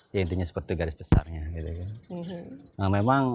ya intinya seperti garis besarnya gitu kan